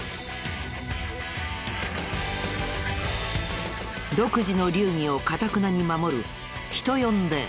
独自の流儀をかたくなに守る人呼んで。